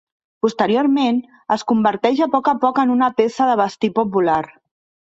Posteriorment, es converteix a poc a poc en una peça de vestir popular.